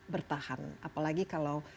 bertahan apalagi kalau